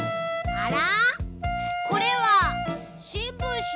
あら？